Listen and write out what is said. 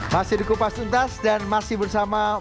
masih di kupas tuntas dan masih bersama